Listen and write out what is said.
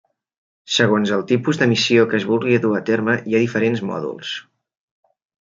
Segons el tipus de missió que es vulgui dur a terme hi ha diferents mòduls.